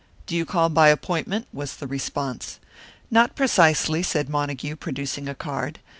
"Do you call by appointment?" was the response. "Not precisely," said Montague, producing a card.